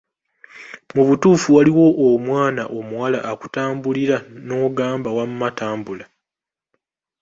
Mu butuufu waliwo omwana omuwala akutambulira n'ogamba wamma tambula.